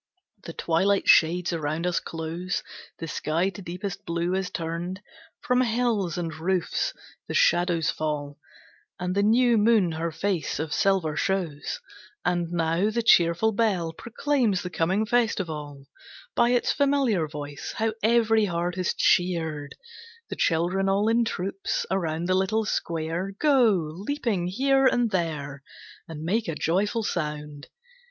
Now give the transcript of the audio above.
The twilight shades around us close, The sky to deepest blue is turned; From hills and roofs the shadows fall, And the new moon her face of silver shows. And now the cheerful bell Proclaims the coming festival. By its familiar voice How every heart is cheered! The children all in troops, Around the little square Go, leaping here and there, And make a joyful sound.